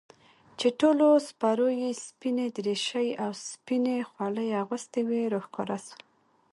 چې ټولو سپرو يې سپينې دريشۍ او سپينې خولۍ اغوستې وې راښکاره سوه.